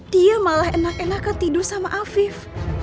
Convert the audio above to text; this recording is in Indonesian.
dia malah enak enakan tidur sama afif